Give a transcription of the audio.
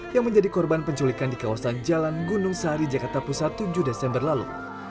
yang menjadi korban penculikan di kawasan jalan gunung sari jakarta pusat tujuh desember lalu